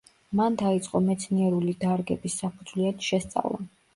მან დაიწყო მეცნიერული დარგების საფუძვლიანი შესწავლა.